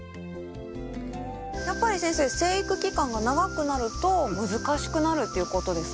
やっぱり先生生育期間が長くなると難しくなるっていうことですか？